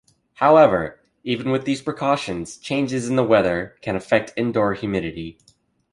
However, even with these precautions, changes in weather can affect indoor humidity.